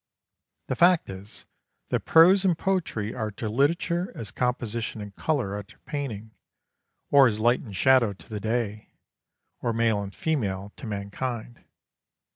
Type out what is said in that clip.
The fact is, that prose and poetry are to literature as composition and colour are to painting, or as light and shadow to the day, or male and female to mankind.